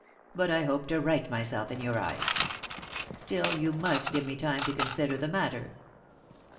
But I hope to right myself in your eyes. Still, you must give me time to consider the matter."